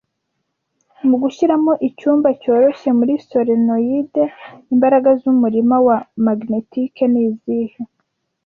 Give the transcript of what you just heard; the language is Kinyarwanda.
Mugushyiramo icyuma cyoroshye muri solenoid, imbaraga zumurima wa magneti nizihe